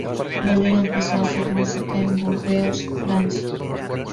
Valera empezó a hacer música en Burdeos, Francia.